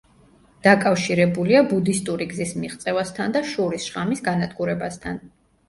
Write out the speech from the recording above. დაკავშირებულია ბუდისტური გზის მიღწევასთან და შურის შხამის განადგურებასთან.